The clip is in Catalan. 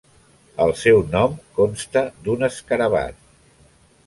El seu nom consta d'un escarabat.